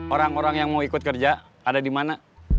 orang orang yang mau ikut kerja ada dimana